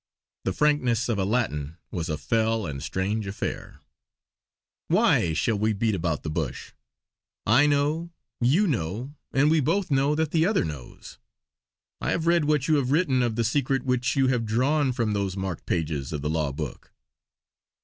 The frankness of a Latin was a fell and strange affair: "Why shall we beat about the bush. I know; you know; and we both know that the other knows. I have read what you have written of the secret which you have drawn from those marked pages of the law book."